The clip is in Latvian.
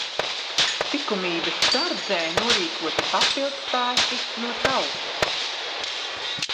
Tikumības sardzē norīkoti papildspēki no tautas.